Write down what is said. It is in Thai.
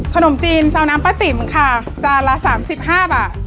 ขนมจีนซาวน้ำป้าติ๋มค่ะจานละ๓๕บาท